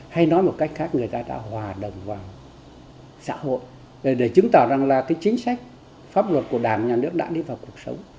hay nói một cách khác người ta đã hòa đồng vào xã hội để chứng tỏ rằng là cái chính sách pháp luật của đảng nhà nước đã đi vào cuộc sống